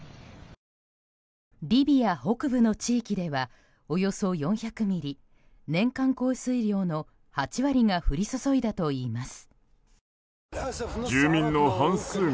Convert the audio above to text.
リビア北部の地域ではおよそ４００ミリ年間降水量の８割が降り注いだといいます。